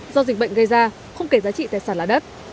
do dịch bệnh gây ra không kể giá trị tài sản là đất